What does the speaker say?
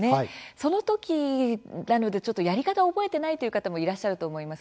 そのときなのでやり方を覚えていないという方もいらっしゃると思います。